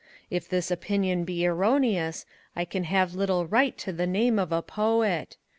If this opinion be erroneous, I can have little right to the name of a Poet.